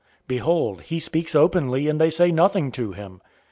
007:026 Behold, he speaks openly, and they say nothing to him.